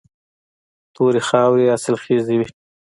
تورې خاورې حاصلخیزې وي.